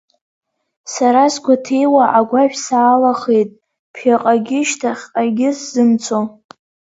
Сара сгәаҭеиуа агәашә саалахеит, ԥхьаҟагьы-шьҭахьҟагьы сзымцо.